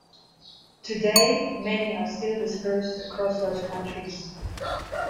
Today, many are still dispersed across those countries.